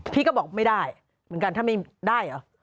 พี่ก็บอกไม่ได้เหมือนกันถ้าไม่ได้เหรอ